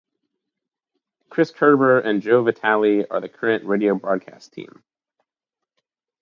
Chris Kerber and Joe Vitale are the current radio broadcast team.